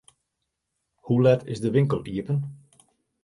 Hoe let is de winkel iepen?